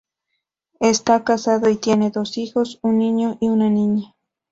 Está casado y tiene dos hijos, un niño y una niña.